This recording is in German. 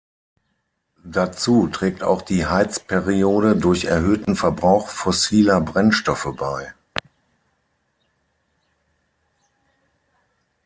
Dazu trägt auch die Heizperiode durch erhöhten Verbrauch fossiler Brennstoffe bei.